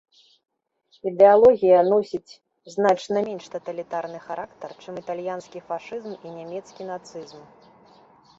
Ідэалогія носіць значна менш таталітарны характар, чым італьянскі фашызм і нямецкі нацызм.